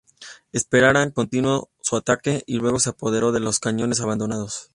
Emparan continuó su ataque, y luego se apoderó de los cañones abandonados.